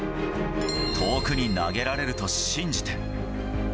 遠くに投げられると信じて。